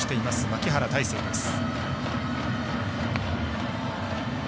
牧原大成です。